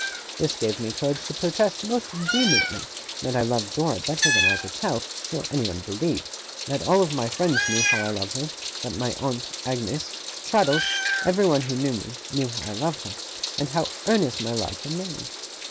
This gave me courage to protest most vehemently that I loved Dora better than I could tell, or anyone believe; that all my friends knew how I loved her; that my aunt, Agnes, Traddles, everyone who knew me, knew how I loved her, and how earnest my love had made me.